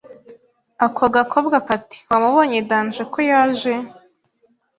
ako gakobwa kati wamubonye danger ko yaje